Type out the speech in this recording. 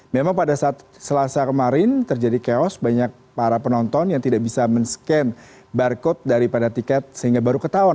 memang pada saat selasa kemarin terjadi chaos banyak para penonton yang tidak bisa men scan barcode daripada tiket sehingga baru ketahuan